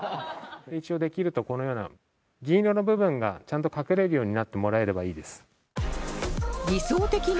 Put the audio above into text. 一応できるとこのような銀色の部分がちゃんと隠れるようになってもらえればいいです。